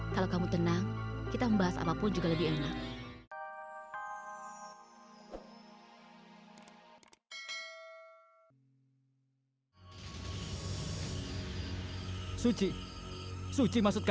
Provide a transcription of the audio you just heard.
kalau kamu tenang kita membahas apapun juga lebih enak